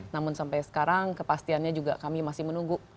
namun sampai sekarang kepastiannya juga kami masih menunggu